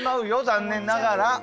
残念ながら。